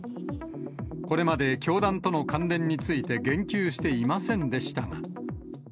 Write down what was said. これまで、教団との関連について言及していませんでしたが。